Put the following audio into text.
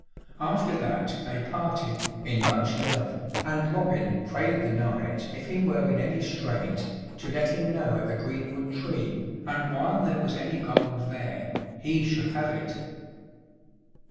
After that they parted, in much love, and Robin prayed the knight if he were in any strait "to let him know at the greenwood tree, and while there was any gold there he should have it."